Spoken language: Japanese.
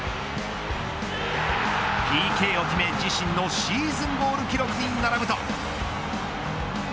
ＰＫを決め自身のシーズンゴール記録に並ぶと。